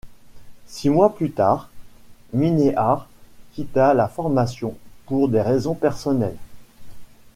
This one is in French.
Six mois plus tard, Minnear quitta la formation pour des raisons personnelles.